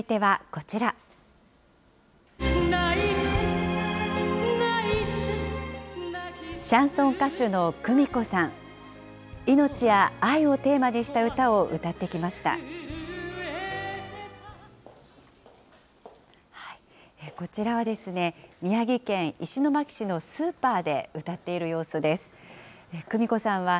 こちらはですね、宮城県石巻市のスーパーで歌っている様子です。